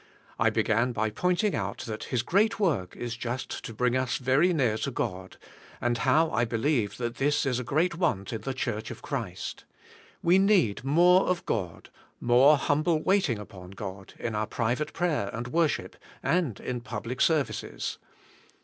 I beg"an by pointing out that His great work is just to bring us very near to God, and how I believe that this is a great want in the church of Christ; we need more of God, more humble waiting upon God in our private prayer and worship, and in public services.